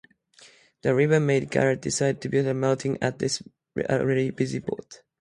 The river made Garrett decide to build a Maltings at this already busy port.